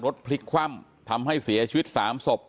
พลิกคว่ำทำให้เสียชีวิต๓ศพ